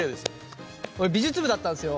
俺美術部だったんですよ。